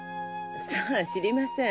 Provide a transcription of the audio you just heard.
さあ知りません。